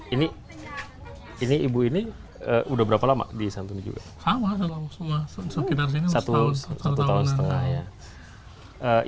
ini ini ibu ini udah berapa lama bisa menjual sama sama sekitar satu setengah